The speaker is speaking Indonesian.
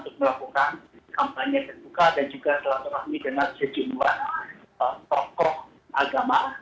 untuk melakukan kampanye terbuka dan juga selaturahmi dengan sejumlah tokoh agama